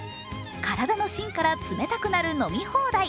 体の芯から冷たくなる飲み放題。